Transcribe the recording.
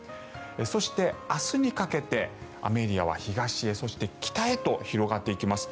そして明日にかけて雨エリアは東へそして北へと広がっていきます。